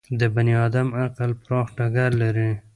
د بني ادم عقل پراخ ډګر لري.